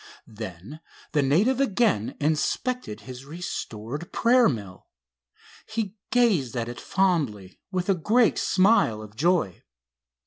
Then the native again inspected his restored prayer mill. He gazed at it fondly, with a great smile of joy.